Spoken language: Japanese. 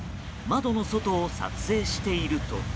窓の外を撮影していると。